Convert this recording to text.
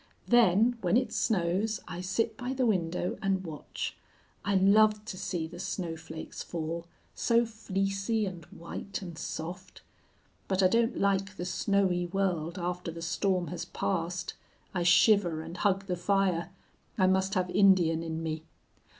Then, when it snows, I sit by the window and watch. I love to see the snowflakes fall, so fleecy and white and soft! But I don't like the snowy world after the storm has passed. I shiver and hug the fire. I must have Indian in me.